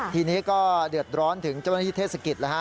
ทีนี้ก็เดือดร้อนถึงเจ้าหน้าที่เทศกิจแล้วฮะ